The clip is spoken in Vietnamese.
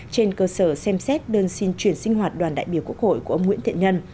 trên cơ sở xem xét đơn xin chuyển sinh hoạt đoàn đại biểu quốc hội của ông nguyễn thiện nhân